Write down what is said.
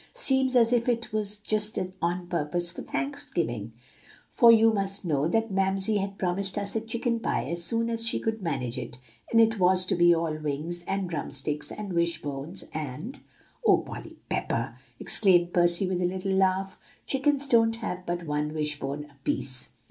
Seems as if it was just on purpose for Thanksgiving; for you must know that Mamsie had promised us a chicken pie as soon as she could manage it, and it was to be all wings, and drumsticks, and wish bones and" "O Polly Pepper!" exclaimed Percy, with a little laugh. "Chickens don't have but one wish bone apiece."